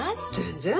全然。